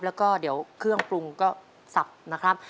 แล้วก็เดี๋ยวเครื่องปรุงก็สับนะครับ